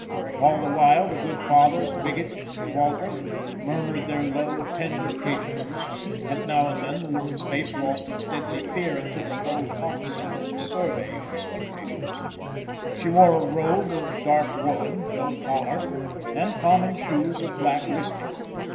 All the while the good fathers Wigett and Walter murmured their low, tender cadences, and now and then the woman's face lost its deadly fear, and took a bold, cognizable survey of the spectators. She wore a robe of dark woolen, no collar, and common shoes of black listing.